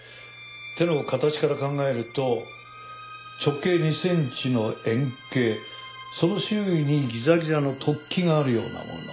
手の形から考えると直径２センチの円形その周囲にギザギザの突起があるようなもの。